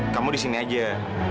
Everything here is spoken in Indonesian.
kamu disini aja